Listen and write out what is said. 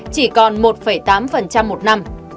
chỉ còn một tám một năm